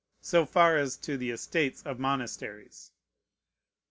So far as to the estates of monasteries.